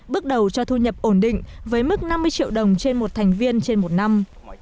bước đầu cho thu nhập ổn định với mức năm mươi triệu đồng trên một thành viên trên một năm